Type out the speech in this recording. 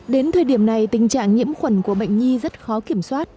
đến thời điểm này tình trạng nhiễm khuẩn của bệnh nhi rất khó kiểm soát